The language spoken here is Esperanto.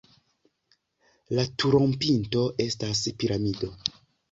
La turopinto estas piramido.